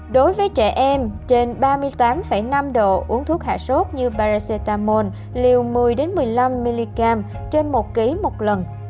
đối với trẻ em trên ba mươi tám năm độ uống thuốc hạ sốt như paracetamol liều một mươi một mươi năm mg trên một ký một lần